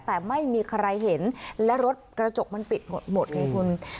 แต่ไม่มีใครเห็นและรถกระจกมันปิดหมดไงคุณ